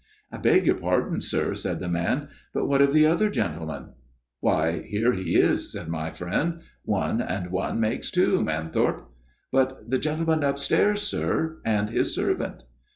' I beg your pardon, sir/ said the man ;' but what of the other gentleman ?'' Why, here he is/ said my friend. ' One and one makes two, Manthorpe/ ' But the gentleman upstairs, sir, and his servant